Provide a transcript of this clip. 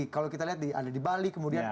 kalau kita lihat ada di bali kemudian